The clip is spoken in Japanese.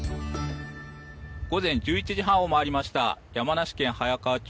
午前１１時半を回りました山梨県早川町。